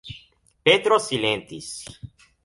Petro silentis.